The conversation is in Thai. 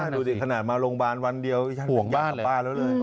ดูสิขนาดมาโรงพยาบาลวันเดียวยังห่วงบ้านเลย